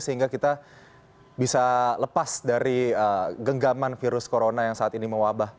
sehingga kita bisa lepas dari genggaman virus corona yang saat ini mewabah